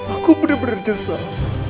aku bener bener jesah